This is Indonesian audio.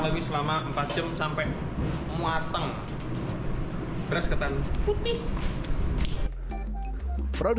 beras ketan putih dikukus